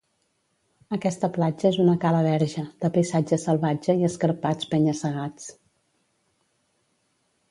Aquesta platja és una cala verge, de paisatge salvatge i escarpats penya-segats.